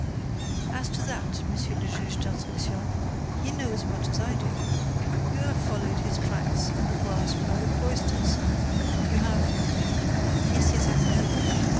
"As to that, Monsieur le Juge d'Instruction, you know as much as I do. You have followed his tracks in the grass by the cloisters—you have—" "Yes, yes, I know.